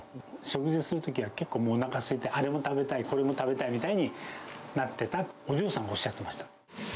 食事するときは結構おなかすいて、あれも食べたい、これも食べたいみたいになってたって、お嬢さんがおっしゃってました。